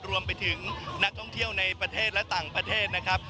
รวมไปถึงนักท่องเที่ยวในประเทศและต่างประเทศนะครับ